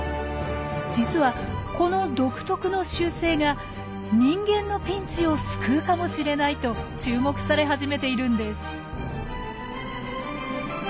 実はこの独特の習性が人間のピンチを救うかもしれないと注目され始めているんです。